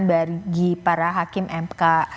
bagi para hakim mk